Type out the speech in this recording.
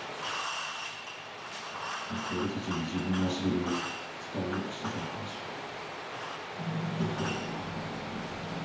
あいつ俺たちに自分の足取りを伝えようとしてたのかもしれない。